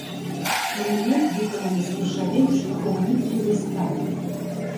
Манумент выкананы з нержавеючай хроманікелевай сталі.